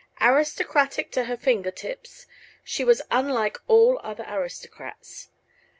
Aristocratic to her finger tips, she was unlike all other aristocrats.